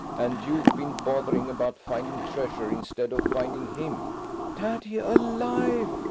And you've been bothering about finding treasure instead of finding him." "Daddy–alive!"